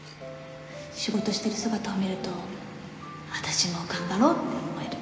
仕事してる姿を見ると私も頑張ろうって思える。